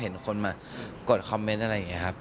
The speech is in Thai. เห็นคนมากดคอมเมนต์อะไรอย่างนี้ครับ